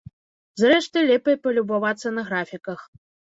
Зрэшты, лепей палюбавацца на графіках.